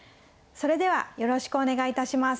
それではよろしくお願い致します。